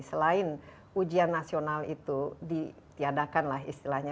selain ujian nasional itu ditiadakan lah istilahnya